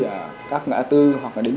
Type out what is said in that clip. ở các ngã tư hoặc là đến